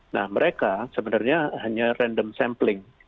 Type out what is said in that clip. nah mereka sebenarnya hanya random sampling